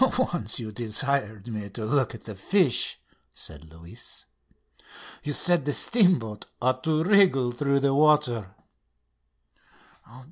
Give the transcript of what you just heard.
"Once you desired me to look at the fish," said Luis. "You said the steamboat ought to wriggle through the water...."